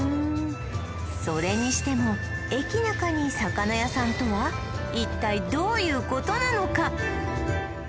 それにしても駅ナカに魚屋さんとは一体どういうことなのか？